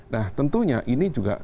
nah tentunya ini juga